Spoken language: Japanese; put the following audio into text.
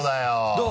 どう？